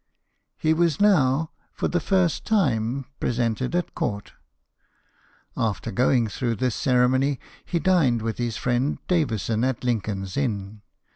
He was now, for the first time, presented at court. After going through this cere mony, he dined with his friend Davison at Lincoln's Inn.